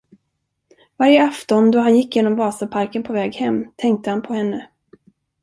Varje afton, då han gick genom Vasaparken på väg hem, tänkte han på henne.